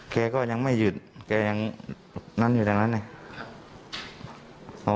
แกก็ยังไม่หยุดแกยังยังนั้นนั้นน่ะ